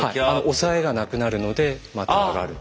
おさえがなくなるのでまた上がると。